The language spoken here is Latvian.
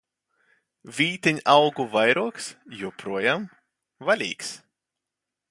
Vīteņaugu vairogs joprojām vaļīgs!